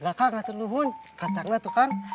gua kan enggak terlalu hun kacangnya tuh kakt